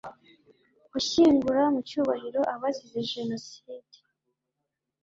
gushyingura mu cyubahiro abazize jenoside